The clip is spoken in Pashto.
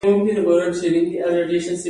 منابع د یوې ادارې مادي او معنوي پانګه ده.